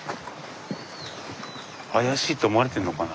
怪しいと思われてんのかな？